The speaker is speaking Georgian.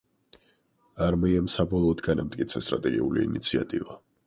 არმიამ საბოლოოდ განამტკიცა სტრატეგიული ინიციატივა.